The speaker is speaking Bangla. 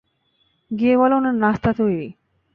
গিয়ে বলো উনার নাস্তা তৈরি।